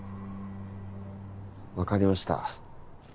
わかりました。